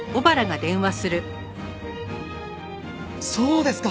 そうですか。